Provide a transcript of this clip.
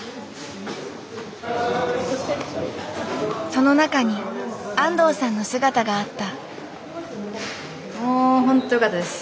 その中に安藤さんの姿があった。